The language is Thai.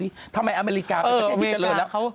ตอบสิทำไมอเมริกาประเทศอีกจังเลยแล้ว